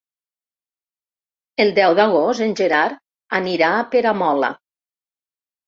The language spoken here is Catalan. El deu d'agost en Gerard anirà a Peramola.